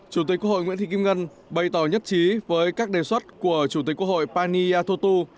chủ tịch quốc hội nguyễn thị kim ngân bày tỏ nhất trí với các đề xuất của chủ tịch quốc hội pani yathotu